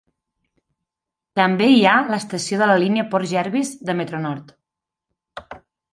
També hi ha l'estació de la línia Port Jervis de Metro-Nord.